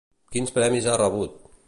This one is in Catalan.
Quins premis ha rebut?